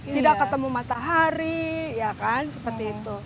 tidak ketemu matahari ya kan seperti itu